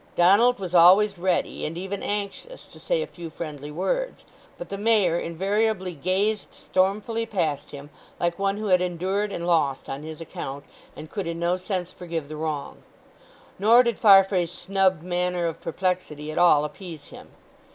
Donald was always ready, and even anxious, to say a few friendly words, but the Mayor invariably gazed stormfully past him, like one who had endured and lost on his account, and could in no sense forgive the wrong; nor did Farfrae's snubbed manner of perplexity at all appease him.